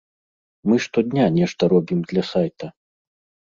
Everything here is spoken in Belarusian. Мы штодня нешта робім для сайта.